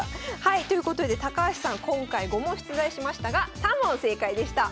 ということで高橋さん今回５問出題しましたが３問正解でした！